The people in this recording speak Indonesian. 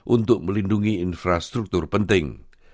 untuk melindungi infrastruktur penting